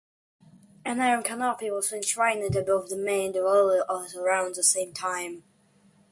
An iron canopy was erected above the main doorway at around the same time.